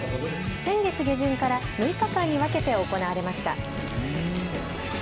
先月下旬から６日間に分けて行われました。